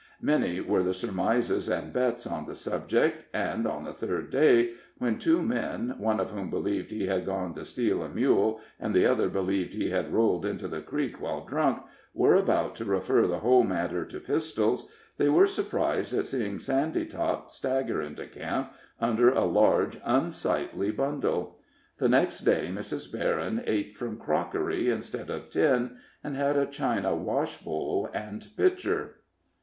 Many were the surmises and bets on the subject; and on the third day, when two men, one of whom believed he had gone to steal a mule, and the other believed he had rolled into the creek while drunk, were about to refer the whole matter to pistols, they were surprised at seeing Sandytop stagger into camp, under a large, unsightly bundle. The next day Mrs. Berryn ate from crockery instead of tin, and had a china wash bowl and pitcher.